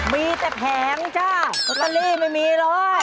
มีแต่แผงจ้าลอตเตอรี่ไม่มีเลย